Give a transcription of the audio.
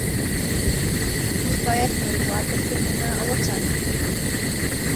موږ باید نړیوال بدلونونه وڅارو.